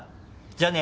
じゃあね。